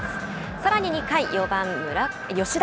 さらに２回、４番吉田。